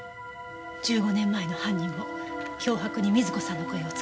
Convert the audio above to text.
１５年前の犯人も脅迫に瑞子さんの声を使っていた。